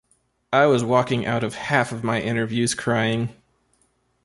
I was walking out of half my interviews crying.